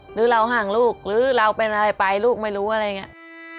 หรือเราห่างลูกหรือเราเป็นอะไรไปลูกไม่รู้อะไรอย่างนี้